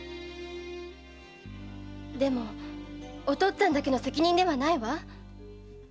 でもお父っつぁんだけの責任ではないわ。